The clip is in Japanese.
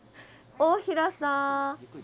大平さん。